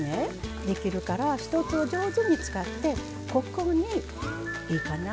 できるから１つを上手に使ってここにいいかな？